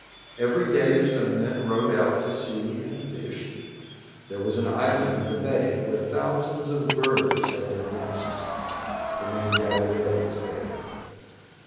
Every day some men rowed out to sea and fished. There was an island in the bay where thousands of birds had their nests. The men gathered eggs here.